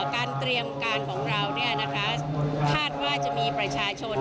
การเตรียมการของเราเนี่ยนะคะคาดว่าจะมีประชาชน